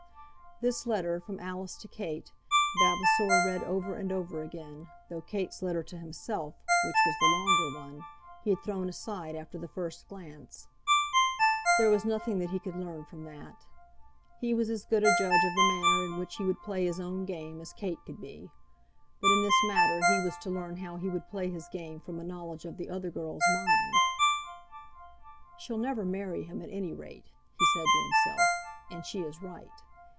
This letter from Alice to Kate, Vavasor read over and over again, though Kate's letter to himself, which was the longer one, he had thrown aside after the first glance. There was nothing that he could learn from that. He was as good a judge of the manner in which he would play his own game as Kate could be; but in this matter he was to learn how he would play his game from a knowledge of the other girl's mind. "She'll never marry him, at any rate," he said to himself, "and she is right.